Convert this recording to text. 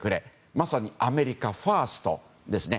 まさにアメリカファーストですね。